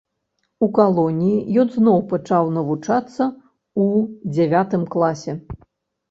У калоніі ён зноў пачаў навучацца ў дзявятым класе.